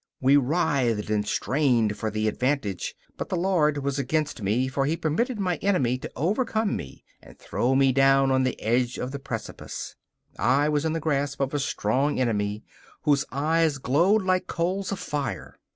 We writhed and strained for the advantage; but the Lord was against me for He permited my enemy to overcome me and throw me down on the edge of the precipice. I was in the grasp of a strong enemy, whose eyes glowed like coals of fire.